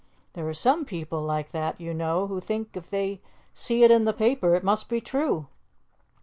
There are some people like that, you know, who think if they see it 'in the paper,' it must be true."